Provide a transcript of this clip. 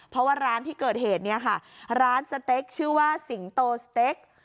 เพราะว่าร้านที่เกิดเหตุเนี่ยค่ะร้านสเต็กชื่อว่าสิงโตสเต็ก